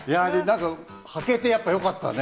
はけてよかったね。